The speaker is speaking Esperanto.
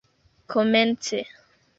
komence